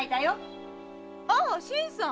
ああ新さん！